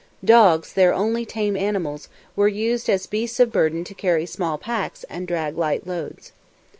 Dogs, their only tame animals, were used as beasts of burden to carry small packs and drag light loads.